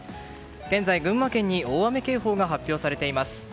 現在、群馬県に大雨警報が発表されています。